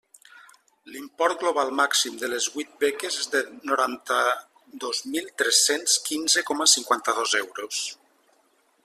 L'import global màxim de les huit beques és de noranta-dos mil tres-cents quinze coma cinquanta-dos euros.